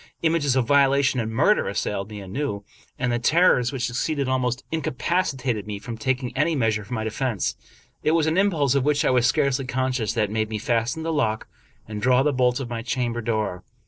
Images of violation and murder assailed me anew, and the terrors which succeeded almost incapacitated me from taking any measures for my defense. It was an impulse of which I was scarcely conscious that made me fasten the lock and draw the bolts of my cham ber door.